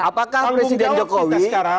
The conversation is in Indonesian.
apakah presiden jokowi